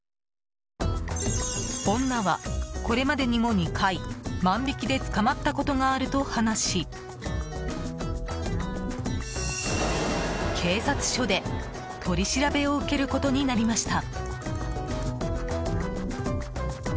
女は、これまでにも２回万引きで捕まったことがあると話し警察署で取り調べを受けることになりました。